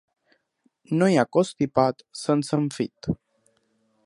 No hi ha constipat sense enfit.